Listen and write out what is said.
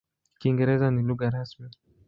Kiingereza ni lugha rasmi.